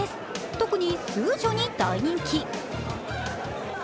特に、スー女に大人気。